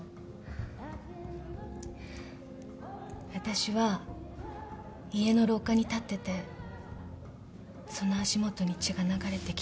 わたしは家の廊下に立っててその足もとに血が流れてきた。